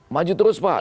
maju terus pak